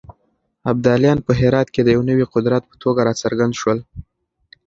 ابدالیان په هرات کې د يو نوي قدرت په توګه راڅرګند شول.